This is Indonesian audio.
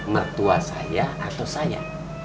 mertua saya atau saya